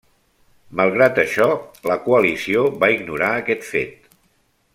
Malgrat això, la coalició va ignorar aquest fet.